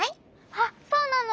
あっそうなの！